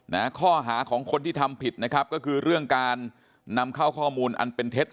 นะฮะข้อหาของคนที่ทำผิดนะครับก็คือเรื่องการนำเข้าข้อมูลอันเป็นเท็จ